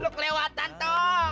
lo kelewatan toh